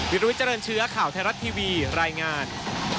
วิรวิเจริญเชื้อข่าวไทยรัฐทีวีรายงาน